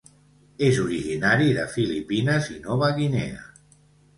És originari de Filipines i Nova Guinea.